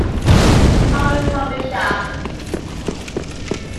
Coffee coffee shop.